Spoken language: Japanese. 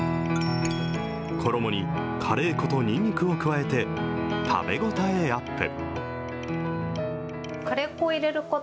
衣にカレー粉とにんにくを加えて、食べ応えアップ。